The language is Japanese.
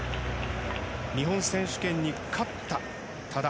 日本選手権に勝った多田。